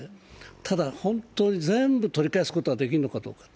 ただ、本当に全部取り返すことができるのかどうか。